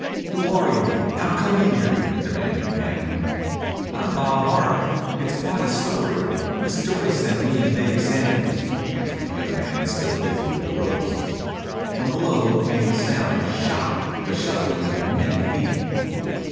"Who are you? Howcome you here?" demanded the cattleman. "I'm Bob Hart. It's quite a story. Miss Joyce sent me and Dave Sanders," answered the young man, still busy with the ropes. From below came the sound of a shot, the shuffling of many feet.